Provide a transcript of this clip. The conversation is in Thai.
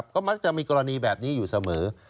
ก็มักจะมีกรณีแบบนี้อยู่เสมอ